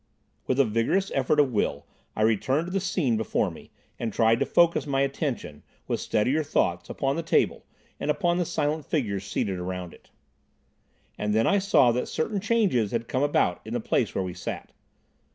With a vigorous effort of will I returned to the scene before me, and tried to focus my attention, with steadier thoughts, upon the table, and upon the silent figures seated round it. And then I saw that certain changes had come about in the place where we sat.